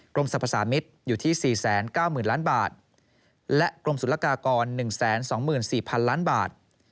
กรมสรรพสามิตอยู่ที่สี่แสนเก้าหมื่นล้านบาทและกรมสุรรคากรหนึ่งแสนสองหมื่นสี่พันล้านบาท